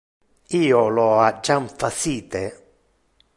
Io lo ha jam facite.